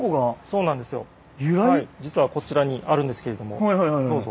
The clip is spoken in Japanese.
実はこちらにあるんですけれどもどうぞ。